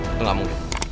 itu gak mungkin